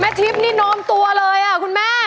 แม่ทิปนี่นมตัวเลยคุณแม่